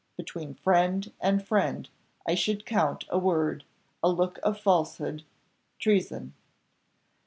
Between friend and friend I should count a word, a look of falsehood, treason."